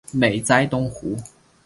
美哉东湖！